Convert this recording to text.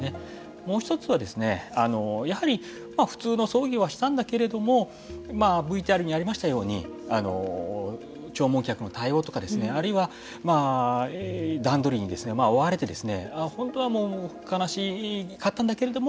もう一つはやはり普通の葬儀はしたんだけれどもＶＴＲにありましたように弔問客の対応とかあるいは、段取りに追われて本当は悲しかったんだけれども